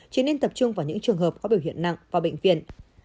chỉ nên tập trung vào những trường hợp có biểu hiện nặng vào bệnh viện